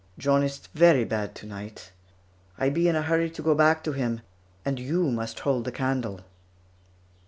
John ist very bad to night. I be in a hurry to go back to him, and you must hold the candle."